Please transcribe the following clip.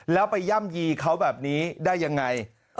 แล้วไปย่ำยีเขาแบบนี้ได้ยังไง